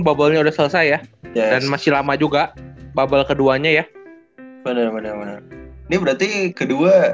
bubble nya udah selesai ya dan masih lama juga bubble keduanya ya bener bener ini berarti kedua